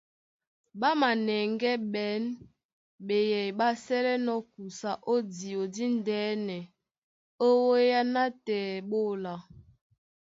Ɓá manɛŋgɛ́ ɓên ɓeyɛy ɓá sɛ́lɛ́nɔ̄ kusa ó díɔ díndɛ́nɛ ó wéá nátɛɛ ɓé óla.